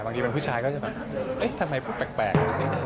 บางทีเป็นผู้ชายก็จะแบบเอ๊ะทำไมพูดแปลก